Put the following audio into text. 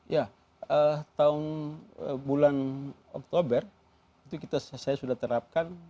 ya tahun bulan oktober itu saya sudah terapkan